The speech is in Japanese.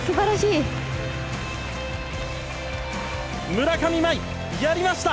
村上茉愛やりました！